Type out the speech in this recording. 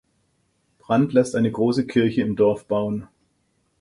Brand lässt eine große Kirche im Dorf bauen.